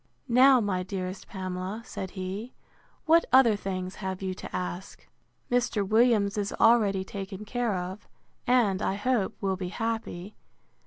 Now, my dearest Pamela, said he, what other things have you to ask? Mr. Williams is already taken care of; and, I hope, will be happy.